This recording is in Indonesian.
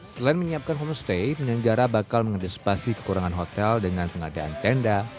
selain menyiapkan homestay penyelenggara bakal mengantisipasi kekurangan hotel dengan pengadaan tenda